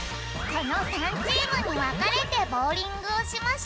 この３チームにわかれてボウリングをしましゅ。